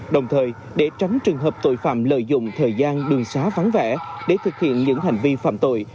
đồng thời để tránh trường hợp tội phạm lợi dụng thời gian đường xá vắng vẻ để thực hiện những hành vi phạm tội